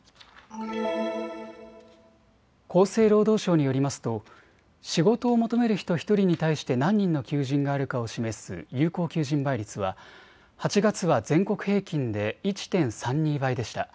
厚生労働省によりますと仕事を求める人１人に対して何人の求人があるかを示す有効求人倍率は８月は全国平均で１．３２倍でした。